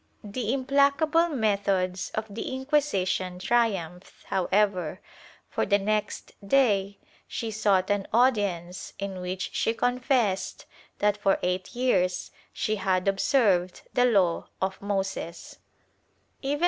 The implacable methods of the Inquisition triumphed, however, for the next day she sought an audience in which she confessed that for eight years she had observed the Law of Moses.